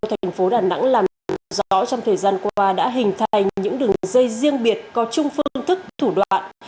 thành phố đà nẵng làm rõ trong thời gian qua đã hình thành những đường dây riêng biệt có chung phương thức thủ đoạn